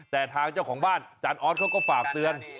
แต่ทางเจ้าของบ้านอาจารย์ออสเขาก็ฝากเตือน